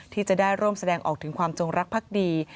ที่จะได้ร่วมแสดงออกถึงความจงรักภักดี